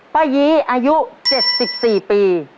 ป้ายีอายุเจ็ดสิบสี่ปี